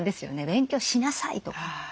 「勉強しなさい」とか。